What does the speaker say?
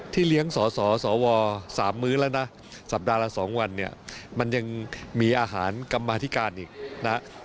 เลี้ยงสสว๓มื้อแล้วนะสัปดาห์ละ๒วันเนี่ยมันยังมีอาหารกรรมาธิการอีกนะ